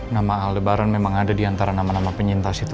nama aldebaran memang ada diantara nama nama penyintas itu